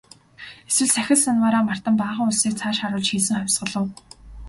Эсвэл сахил санваараа мартан баахан улсыг цааш харуулж хийсэн хувьсгал уу?